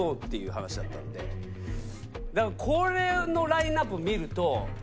だからこれのラインアップを見ると。